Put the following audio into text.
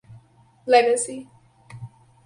Legacy!